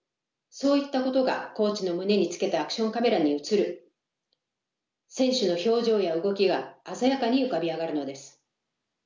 そういったことがコーチの胸につけたアクションカメラに映る選手の表情や動きが鮮やかに浮かび上がるのです。